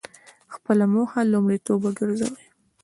خپله موخه لومړیتوب وګرځوئ.